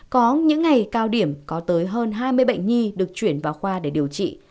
có những ngày cao điểm có tới hơn hai mươi bệnh nhi được chuyển vào khoa để điều trị